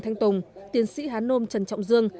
thanh tùng tiến sĩ hán nôm trần trọng dương